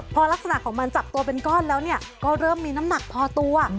พอลักษณะของมันจับตัวเป็นก้อนแล้วก็เริ่มมีน้ำหนักพอตัว